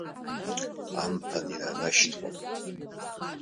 Амԥан инанашьҭуам.